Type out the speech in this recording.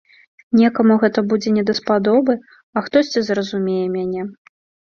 Некаму гэта будзе не даспадобы, а хтосьці зразумее мяне.